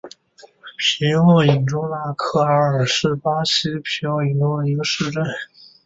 皮奥伊州拉戈阿是巴西皮奥伊州的一个市镇。